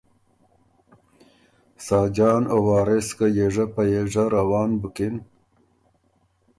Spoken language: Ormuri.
ساجان او وارث که یېژۀ په یېژۀ روان بُکِن